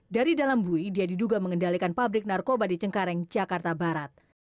dari dalam bui dia diduga mengendalikan pabrik narkoba di cengkareng jakarta barat